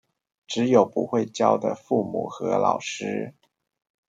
只有不會教的父母和老師